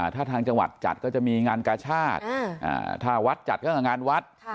ถ้าทางจังหวัดจัดก็จะมีงานกาชาติถ้าวัดจัดก็งานวัด